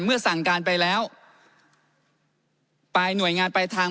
เมื่อสั่งการไปแล้วปลายหน่วยงานปลายทาง